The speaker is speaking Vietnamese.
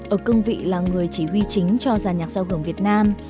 ở cương vị là người chỉ huy chính cho giàn nhạc giao hưởng việt nam